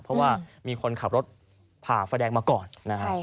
เพราะว่ามีคนขับรถผ่าไฟแดงมาก่อนนะครับ